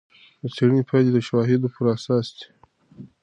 د څېړنې پایلې د شواهدو پر اساس دي.